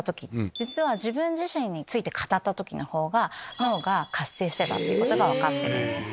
実は自分自身について語った時の方が脳が活性してたってことが分かってるんです。